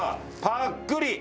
ぱっくり！